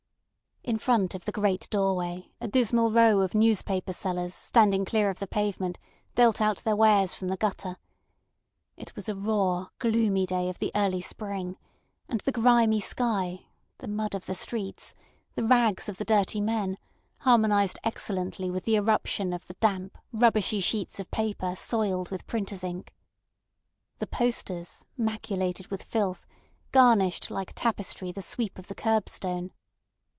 In front of the great doorway a dismal row of newspaper sellers standing clear of the pavement dealt out their wares from the gutter. It was a raw, gloomy day of the early spring; and the grimy sky, the mud of the streets, the rags of the dirty men, harmonised excellently with the eruption of the damp, rubbishy sheets of paper soiled with printers' ink. The posters, maculated with filth, garnished like tapestry the sweep of the curbstone.